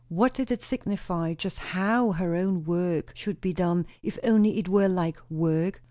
What did it signify just how her own work should be done, if only it were like work?